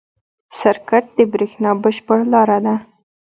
سرکټ د برېښنا بشپړ لاره ده.